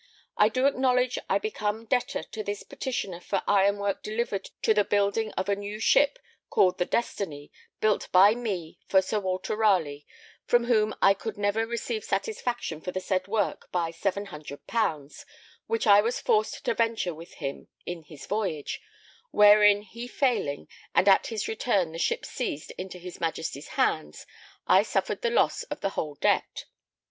I do acknowledge I become debtor to this petitioner for ironwork delivered to the building of a new ship called the Destiny, built by me for Sir Walter Ralegh, from whom I could never receive satisfaction for the said work by 700_l._, which I was forced to venture with him in his voyage, wherein he failing, and at his return the ship seized into his Majesty's hands, I suffered the loss of the whole debt.